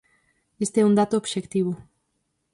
Este é un dato obxectivo.